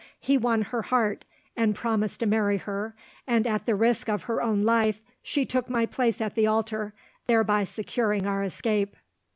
He won her heart and promised to marry her, and at the risk of her own life she took my place at the altar, thereby securing our escape."